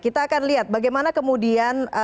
kita akan lihat bagaimana kemudian